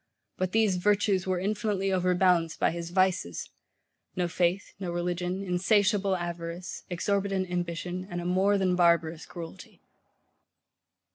But these VIRTUES were infinitely overbalanced by his VICES; no faith, no religion, insatiable avarice, exorbitant ambition, and a more than barbarous cruelty.